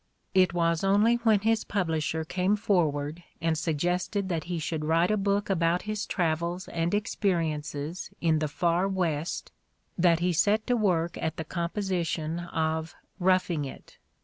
It was only when his publisher came forward and suggested that he should write a book about his travels and experiences in the Far West that he set to work at the composition of "Roughing It."